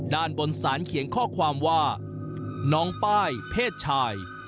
ด้านบนสารเขียนข้อความว่าน้องป้ายเพศชาย